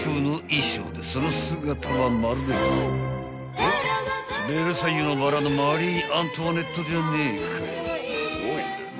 ［その姿はまるで『ベルサイユのばら』のマリー・アントワネットじゃねえかい］